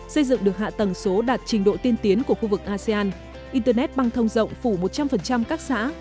xây dựng được hạ tầng số đạt trình độ tiên tiến của khu vực asean internet băng thông rộng phủ một trăm linh các xã